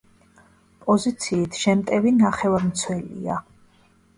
პოზიციით შემტევი ნახევარმცველია.